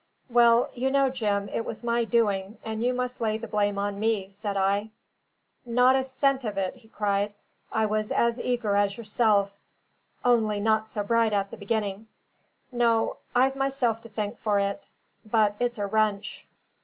"Well, you know, Jim, it was my doing, and you must lay the blame on me," said I. "Not a cent of it!" he cried. "I was as eager as yourself, only not so bright at the beginning. No; I've myself to thank for it; but it's a wrench."